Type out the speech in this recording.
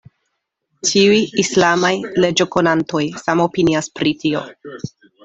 Ĉiuj islamaj leĝokonantoj samopinias pri tio.